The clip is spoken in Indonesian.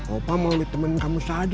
opa mau ditemenin kamu saja kesananya